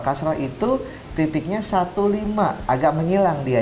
kasro itu titiknya satu lima agak menyilang dia